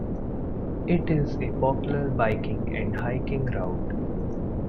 It is a popular biking and hiking route.